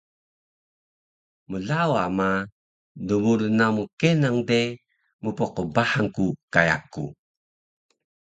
Mlawa ma, dmurun namu kenan de, mpqbahang ku ka yaku